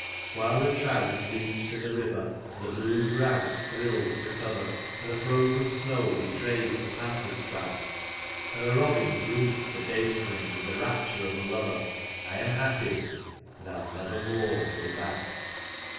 While the trout leaps in the river, and the blue grouse thrills the cover. And the frozen snow betrays the panther's track, And the robin greets the dayspring with tlie rapture of a lover, I am happy, and I'll nevermore go back.